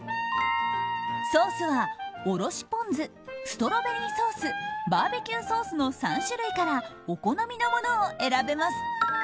ソースは、おろしポン酢ストロベリーソースバーベキューソースの３種類からお好みのものを選べます。